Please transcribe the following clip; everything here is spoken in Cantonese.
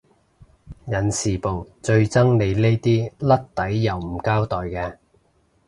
人事部最憎你呢啲甩底又唔交代嘅